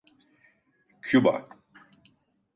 Küba…